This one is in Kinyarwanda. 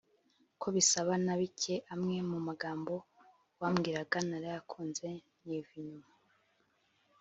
ko basa na bike Amwe mu magambo wambwiraga… Naragukunze niva inyuma